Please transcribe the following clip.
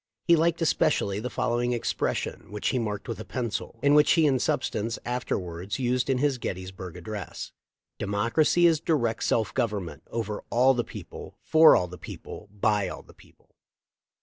He liked especially the following expression, which he marked with a pencil, and which he in substance afterwards used in his Gettysburg address : ''De mocracy is direct self government, over all the people, for all the people, by all the people."